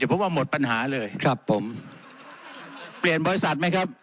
เพราะว่าหมดปัญหาเลยครับผมเปลี่ยนบริษัทไหมครับ